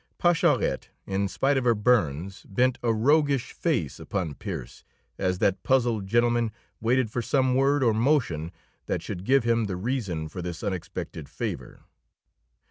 Pascherette, in spite of her burns, bent a roguish face upon Pearse as that puzzled gentleman waited for some word or motion that should give him the reason for this unexpected favor.